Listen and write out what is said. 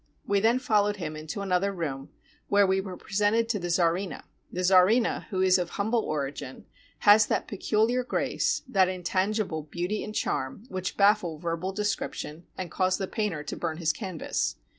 We then followed him into another room, where we were presented to the czarina. The czarina, who is of humble origin, has that peculiar grace, that intangible beauty and charm, which baffle verbal description and cause the painter to burn his canvas.